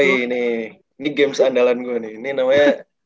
ini games andalan gua nih